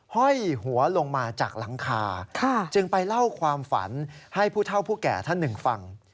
ห้อยหัวลงมาจากหลังคาจึงไปเล่าความฝันให้ผู้เท่าผู้แก่ท่านหนึ่งฟัง